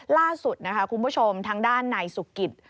ล่าสุดนะคะคุณผู้ชมทางด้านนายสุกิต